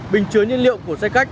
bình chứa nhiên liệu của xe khách